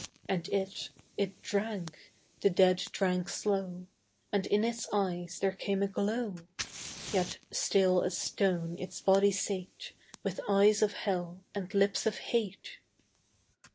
And it it drank; the dead drank slow: And in its eyes there came a glow: Yet still as stone its body sate, With eyes of hell and lips of hate.